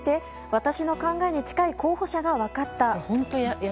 私の考えに近い候補者が分かった。